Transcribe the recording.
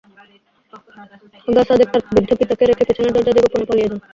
আগা সাদেক তাঁর বৃদ্ধ পিতাকে রেখে পেছনের দরজা দিয়ে গোপনে পালিয়ে যান।